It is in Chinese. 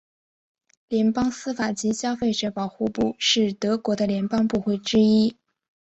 联邦司法及消费者保护部是德国的联邦部会之一。